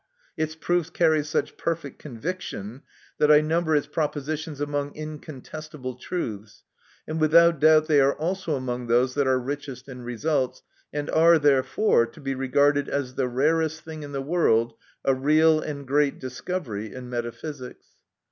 Its proofs carry such perfect conviction, that I number its propositions among incontestable truths, and without doubt they are also among those that are richest in results, and are, therefore, to be regarded as the rarest thing in the world, a real and great discovery in metaphysics.